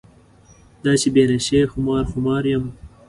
دا چې بې نشې خمار خمار یم.